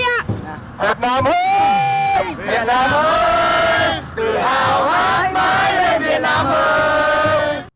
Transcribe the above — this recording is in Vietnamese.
việt nam ơi việt nam ơi tự hào hát mãi lên việt nam ơi